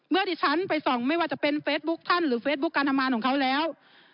ดิฉันไปส่องไม่ว่าจะเป็นเฟซบุ๊คท่านหรือเฟซบุ๊คการทำงานของเขาแล้ว